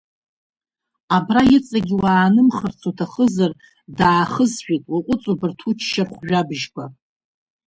Абра иҵегь уаанымхарц уҭахызар, даахызжәеит, уаҟәыҵ убарҭ уччархә жәабжьқәа!